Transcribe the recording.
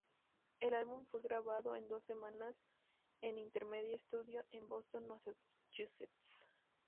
El álbum fue grabado en dos semanas en Intermedia Studio en Boston, Massachusetts.